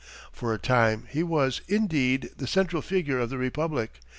For a time he was, indeed, the central figure of the republic.